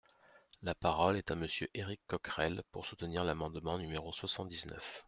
La parole est à Monsieur Éric Coquerel, pour soutenir l’amendement numéro soixante-dix-neuf.